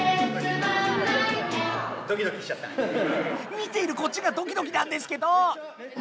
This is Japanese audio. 見ているこっちがドキドキなんですけど！